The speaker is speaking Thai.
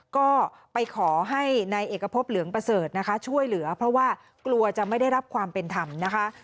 ก็ไปขอให้นายเอกพบเหลืองประเสริฐนะคะช่วยเหลือเพราะว่ากลัวจะไม่ได้รับความเป็นธรรมนะคะ